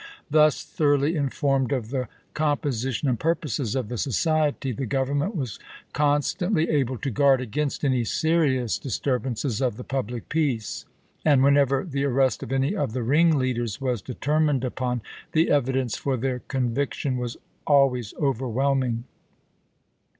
Thus thor oughly informed of the composition and purposes of the society, the Government was constantly able to guard against any serious disturbances of the public peace ; and whenever the arrest of any of the ringleaders was determined upon, the evidence for their conviction was always overwhelming.